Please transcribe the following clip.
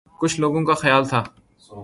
کچھ لوگوں کا خیال تھا